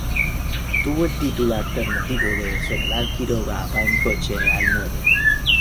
Tuvo el título alternativo de "El general Quiroga va en coche al muere".